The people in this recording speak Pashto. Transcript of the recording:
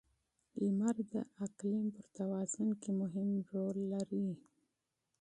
• لمر د اقلیم پر توازن کې مهم رول لري.